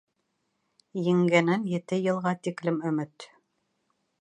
Еңгәнән ете йылға тиклем өмөт.